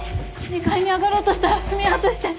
２階に上がろうとしたら踏み外して。